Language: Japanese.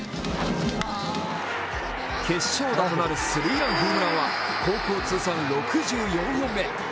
決勝打となるスリーランホームランは高校通算６４本目。